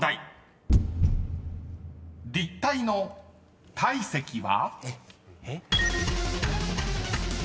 ［立体の体積は？］